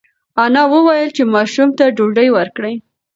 انا وویل چې ماشوم ته ډوډۍ ورکړئ.